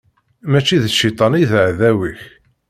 Mačči d cciṭan i d aɛdaw-ik.